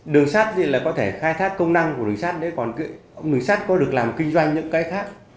đường sắt thì là có thể khai thác công năng của đường sắt đấy còn đường sắt có được làm kinh doanh những cái khác